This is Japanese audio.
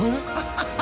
ハハハハ！